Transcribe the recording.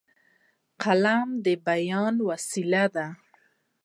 قلم د بیان وسیله ده.